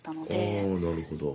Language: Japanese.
ああなるほど。